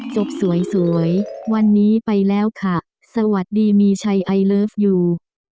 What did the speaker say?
จบสวยสวยวันนี้ไปแล้วค่ะสวัสดีมีชัยไอเลิฟยู